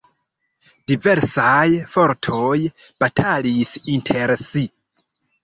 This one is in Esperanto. Diversaj fortoj batalis inter si.